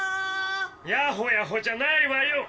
やほやほじゃないわよ！